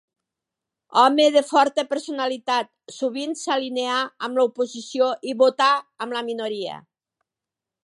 Home de forta personalitat, sovint s'alineà amb l'oposició i votà amb la minoria.